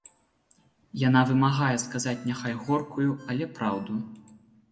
Яна вымагае сказаць няхай горкую, але праўду.